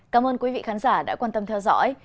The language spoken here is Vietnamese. cảm ơn quý vị khán giả đã quan tâm theo dõi